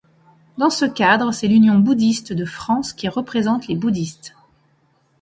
Dans ce cadre, c'est l'Union bouddhiste de France qui représente les bouddhistes.